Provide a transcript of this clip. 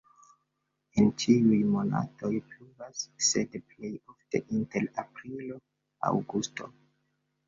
En ĉiuj monatoj pluvas, sed plej ofte inter aprilo-aŭgusto.